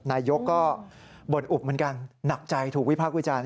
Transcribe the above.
นายกก็บ่นอุบเหมือนกันหนักใจถูกวิพากษ์วิจารณ์